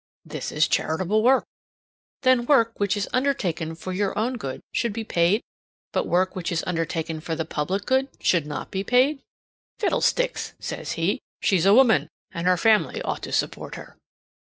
"This is charitable work." "Then work which is undertaken for your own good should be paid, but work which is undertaken for the public good should not be paid?" "Fiddlesticks!" says he. "She's a woman, and her family ought to support her."